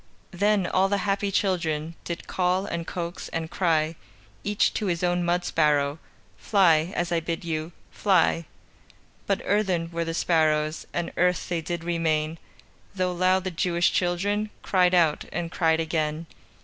Then all the happy children Did call, and coax, and cry Each to his own mud sparrow: "Fly, as I bid you! Fly!" But earthen were the sparrows, And earth they did remain, Though loud the Jewish children Cried out, and cried again.